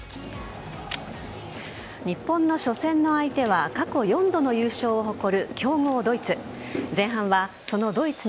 日本の初戦の相手は過去４度の優勝を誇る強豪・ドイツ。